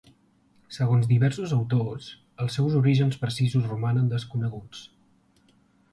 Segons diversos autors, els seus orígens precisos romanen desconeguts.